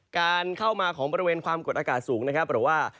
การเข้ามาของบริเวณความกดอากาศสูงนะครับหรือว่า